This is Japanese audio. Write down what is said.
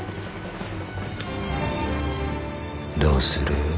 どうする？